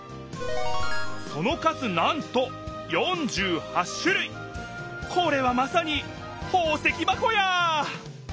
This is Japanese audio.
その数なんとこれはまさに「ほう石ばこ」や！